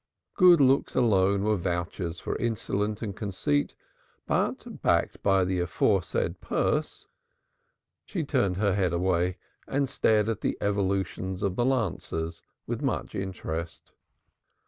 Good looks alone were vouchers for insolence and conceit, but, backed by the aforesaid purse ! She turned her head away and stared at the evolutions of the "Lancers" with much interest.